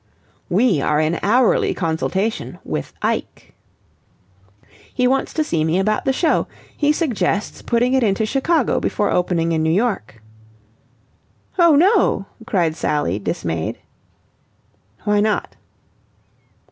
"We are in hourly consultation with Ike." "He wants to see me about the show. He suggests putting it into Chicago before opening in New York." "Oh no," cried Sally, dismayed. "Why not?"